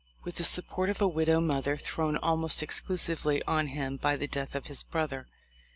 293 with the support of a widow mother thrown almost exclusively on him by the death of his brother.